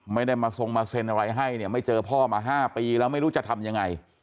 ไม่ได้มาทรงมาเซ็นอะไรให้เนี่ยไม่เจอพ่อมา๕ปีแล้วไม่รู้จะทำยังไง